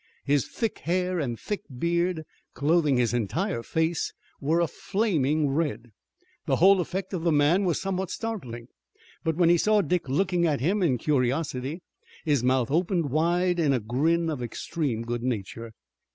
His thick hair and a thick beard clothing his entire face were a flaming red. The whole effect of the man was somewhat startling, but when he saw Dick looking at him in curiosity his mouth opened wide in a grin of extreme good nature.